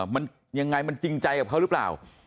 มันยังไงมันจริงใจกับเขาหรือเปล่า